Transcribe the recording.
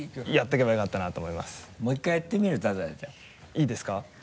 いいですか？